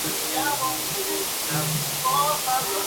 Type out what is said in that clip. Se le considera una banda de culto.